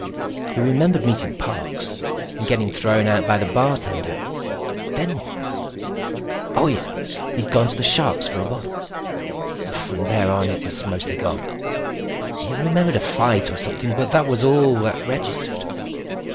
He remembered meeting Parks. And getting thrown out by the bartender. Then what? Oh, yeah. He'd gone to the Shark's for a bottle. From there on, it was mostly gone. He remembered a fight or something, but that was all that registered.